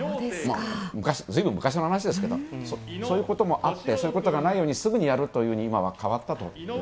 ずいぶん昔の話ですけど、そういうこともあってそういうことがないようにすぐにやるように今は変わったと。